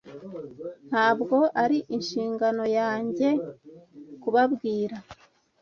Ntabwo ari inshingano yanjye kubabwira